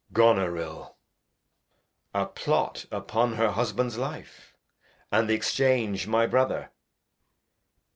Goneril. A Plot upon her Husband's Life, And the Exchange my Brother!